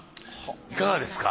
いかがですか？